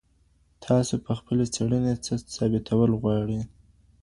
تاسو په خپلي څېړني څه ثابتول غواړئ؟